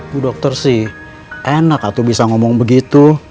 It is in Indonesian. bu dokter sih enak aku bisa ngomong begitu